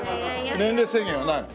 年齢制限はない？